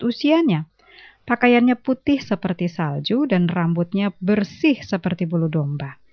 usianya pakaiannya putih seperti salju dan rambutnya bersih seperti bulu domba